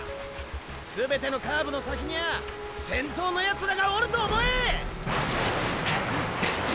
全てのカーブの先にゃ先頭のヤツらがおると思え！